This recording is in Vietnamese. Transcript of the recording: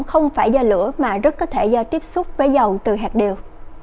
không phải do lửa mà rất có thể do tiếp xúc với dầu từ hạt điều